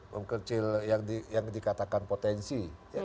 memperkecil yang dikatakan potensi